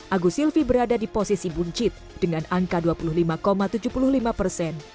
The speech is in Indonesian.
agus silvi berada di posisi buncit dengan angka dua puluh lima tujuh puluh lima persen